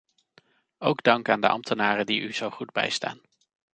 Ook dank aan de ambtenaren die u zo goed bijstaan.